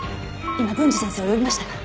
今郡司先生を呼びましたから。